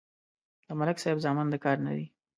د ملک صاحب زامن د کار نه دي.